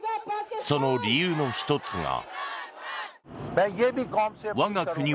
その理由の１つが。